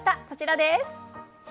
こちらです。